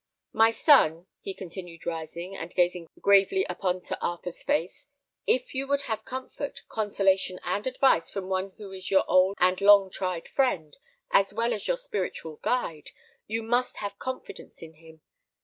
My son," he continued, rising, and gazing gravely upon Sir Arthur's face, "if you would have comfort, consolation, and advice from one who is your old and long tried friend, as well as your spiritual guide, you must have confidence in him.